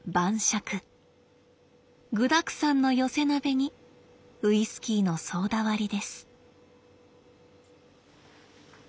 具だくさんの寄せ鍋にウイスキーのソーダ割りです。